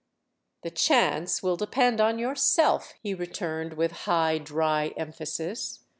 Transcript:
"The chance will depend on yourself!" he returned with high dry emphasis.